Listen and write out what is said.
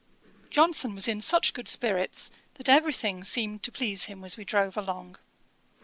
Johnson was in such good spirits, that every thing seemed to please him as we drove along.